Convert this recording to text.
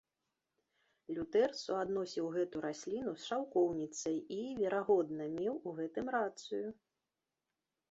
Лютэр суадносіў гэту расліну з шаўкоўніцай, і, верагодна, меў у гэтым рацыю.